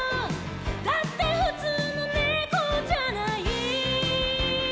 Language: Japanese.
「だってふつうのねこじゃない」